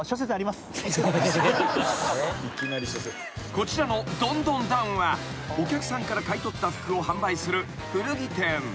［こちらのドンドンダウンはお客さんから買い取った服を販売する古着店］